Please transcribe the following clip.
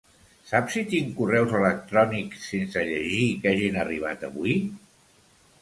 Saps si tinc correus electrònics sense llegir que hagin arribat avui?